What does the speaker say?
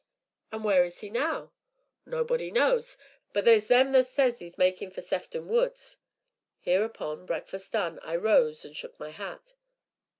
'" "And where is he now?" "Nobody knows, but theer's them as says they see 'im makin' for Sefton Woods." Hereupon, breakfast done, I rose, and took my hat.